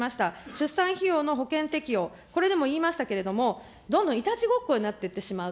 出産費用の保険適用、これでも言いましたけれども、どんどんいたちごっこになっていってしまう。